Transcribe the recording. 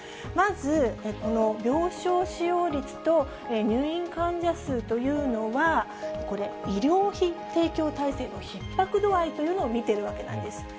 まず、この病床使用率と入院患者数というのは、これ、医療提供体制のひっ迫度合いというのを見てるわけなんです。